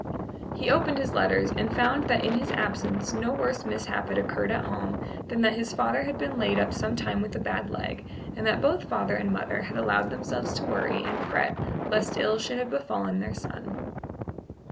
He opened his letters, and found that in his absence no worse mishap had occurred at home than that his father had been laid up some time with a bad leg, and that both father and mother had allowed themselves to worry and fret lest ill should have befallen their son.